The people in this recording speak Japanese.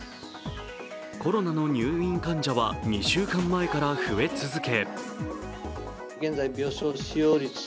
コロナの入院患者は２週間前から増え続け